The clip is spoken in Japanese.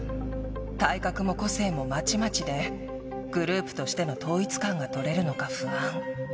体格も個性もまちまちで、グループとしての統一感が取れるのか不安。